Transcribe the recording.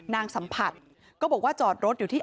นางสัมผัสก็บอกว่าจอดรถอยู่ที่